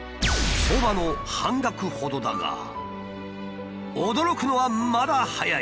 相場の半額ほどだが驚くのはまだ早い！